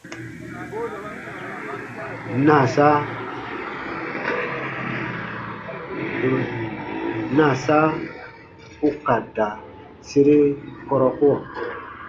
Naasa u ka da sere kɔrɔkuɔ.